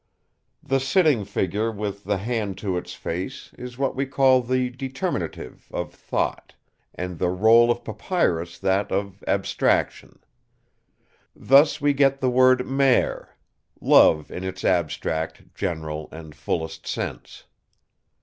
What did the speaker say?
The sitting figure with the hand to its face is what we call the 'determinative' of 'thought'; and the roll of papyrus that of 'abstraction'. Thus we get the word 'mer', love, in its abstract, general, and fullest sense.